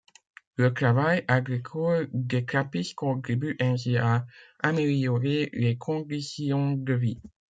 Le travail agricole des Trappistes contribue ainsi à améliorer les conditions de vie.